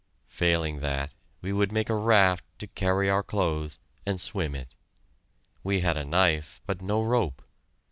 Failing that, we would make a raft to carry our clothes, and swim it. We had a knife, but no rope.